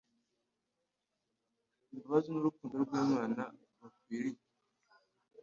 imbabazi, n’urukundo rw’Imana, bakwiriye